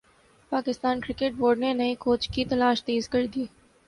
Pakistan cricket board نے نئے coach کی تلاش تیز کر دی